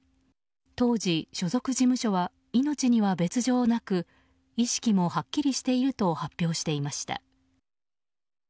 当時、所属事務所は命には別状なく意識もはっきりしていると発表していました。